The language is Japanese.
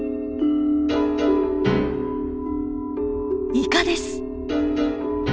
イカです！